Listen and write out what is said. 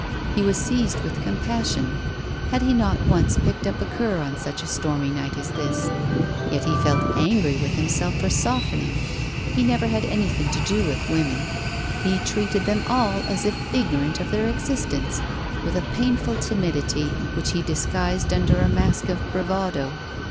He was seized with compassion. Had he not once picked up a cur on such a stormy night as this? Yet he felt angry with himself for softening. He never had anything to do with women; he treated them all as if ignorant of their existence, with a painful timidity which he disguised under a mask of bravado.